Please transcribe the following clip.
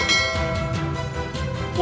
untuk menyelidiki mereka